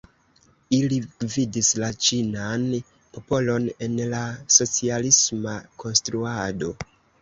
Ili gvidis la ĉinan popolon en la socialisma konstruado.